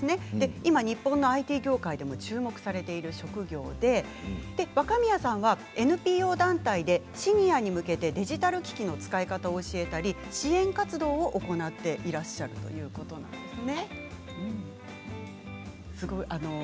今、日本のＩＴ業界でも注目されている職業で若宮さんはＮＰＯ団体でシニアに向けてデジタル機器の使い方を教えたり支援活動を行っているんですよね。